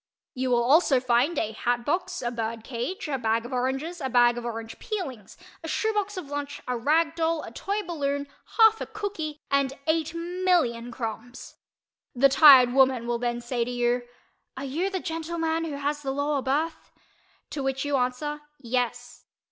You will also find a hat box, a bird cage, a bag of oranges, a bag of orange peelings, a shoe box of lunch, a rag doll, a toy balloon, half a "cookie" and 8,000,000 crumbs. The tired woman will then say to you "Are you the gentleman who has the lower berth?" to which you answer "Yes."